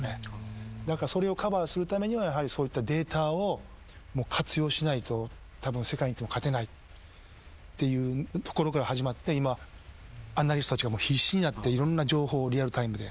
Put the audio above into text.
それをカバーするためにはやはりそういったデータを活用しないとたぶん世界に行っても勝てないっていうところから始まって今アナリストたちが必死になっていろんな情報をリアルタイムで。